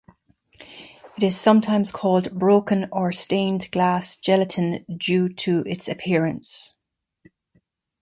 It is sometimes called broken or stained glass gelatin due to its appearance.